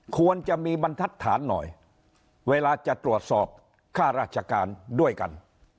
ควรจะมีบรรทัศน์หน่อยเวลาจะตรวจสอบค่าราชการด้วยกัน